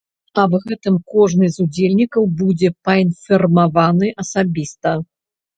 Аб гэтым кожны з удзельнікаў будзе паінфармаваны асабіста.